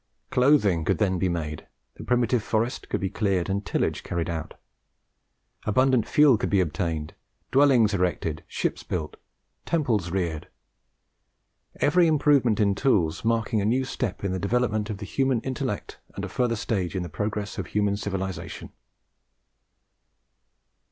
Clothing could then be made, the primitive forest could be cleared and tillage carried on; abundant fuel could be obtained, dwellings erected, ships built, temples reared; every improvement in tools marking a new step in the development of the human intellect, and a further stage in the progress of human civilization.